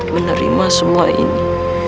menerima semua ini